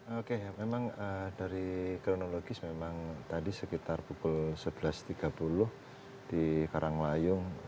oke memang dari kronologis memang tadi sekitar pukul sebelas tiga puluh di karanglayung